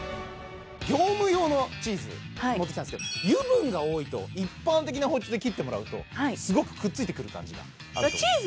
業務用のチーズ持ってきたんですけど油分が多いと一般的な包丁で切ってもらうとすごくくっついてくる感じがあると思うんです